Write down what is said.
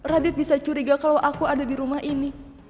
radit bisa curiga kalau aku ada di rumah ini